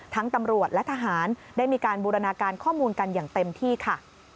ตำรวจและทหารได้มีการบูรณาการข้อมูลกันอย่างเต็มที่ค่ะ